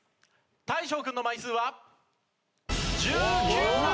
大昇君の枚数は１９枚。